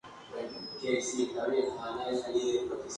Python se diseñó para ser una lengua altamente legible.